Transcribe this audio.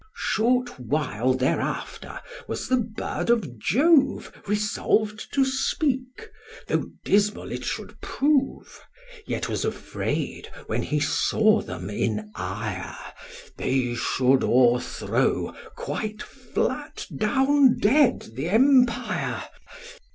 Short while thereafter was the bird of Jove Resolved to speak, though dismal it should prove; Yet was afraid, when he saw them in ire, They should o'erthrow quite flat down dead th' empire.